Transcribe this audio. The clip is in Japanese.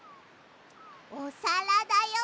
おさらだよ！